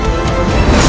aku tidak mau